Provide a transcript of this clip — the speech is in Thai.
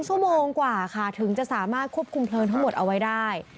ชั่วโมงกว่าค่ะถึงจะสามารถควบคุมเพลิงทั้งหมดเอาไว้ได้